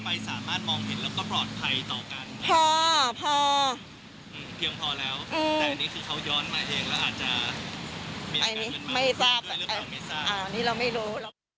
นี่เราไม่รู้